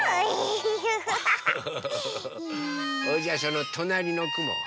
それじゃあそのとなりのくもは？